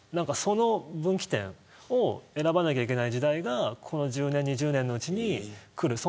その分岐点を選ばなければいけない時代がこの１０年２０年のうちに来る。